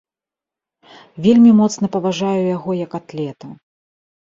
Вельмі моцна паважаю яго як атлета.